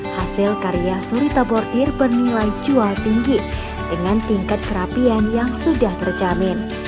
hasil karya surita bordir bernilai jual tinggi dengan tingkat kerapian yang sudah terjamin